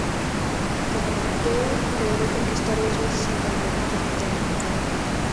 Como "amateur", logró conquistar dos veces el Campeonato Norteamericano.